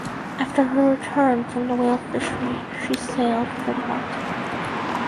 After her return from the whale fishery she sailed for the Baltic.